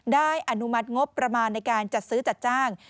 อนุมัติงบประมาณในการจัดซื้อจัดจ้าง